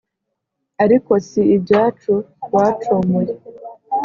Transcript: ariko si ibyacu bacomoye